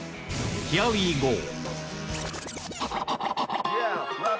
ヒアウィーゴー